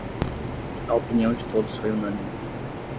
A opinião de todos foi unânime.